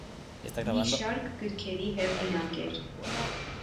Մի շարք գրքերի հեղինակ էր։